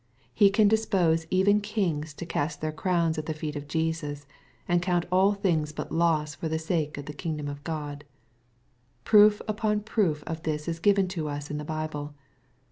He can dispose even kings to cast their crowns at the feet of Jesus, and count all things but loss for the sake of the kingdom of God, Proof upon proof of this is given to us in the Bible.